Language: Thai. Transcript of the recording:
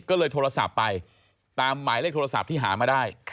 ก็เลยโทรศัพท์ไปตามหมายเลขโทรศัพท์ที่หามาได้